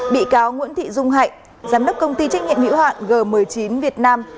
bị cáo nguyễn thị dung hạnh giám đốc công ty trách nhiệm hiệu hạn g một mươi chín việt nam